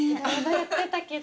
やってたけど。